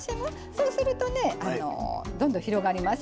そうすると、どんどん広がります。